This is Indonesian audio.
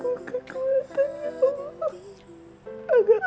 beri aku kekuatan ya allah